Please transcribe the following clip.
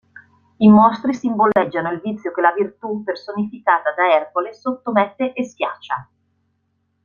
I mostri simboleggiano il vizio che la virtù, personificata da Ercole, sottomette e schiaccia.